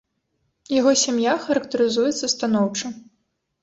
Яго сям'я характарызуецца станоўча.